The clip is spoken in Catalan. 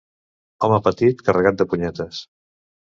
Home petit, carregat de punyetes.